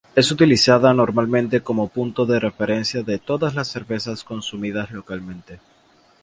Es utilizada normalmente como punto de referencia de todas las cervezas consumidas localmente.